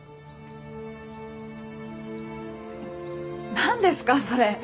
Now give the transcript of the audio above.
何ですかそれ。